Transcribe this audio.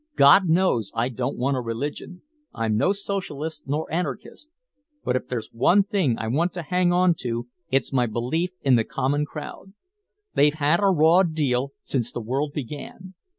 God knows I don't want a religion. I'm no socialist nor anarchist. But if there's one thing I want to hang on to it's my belief in the common crowd. They've had a raw deal since the world began.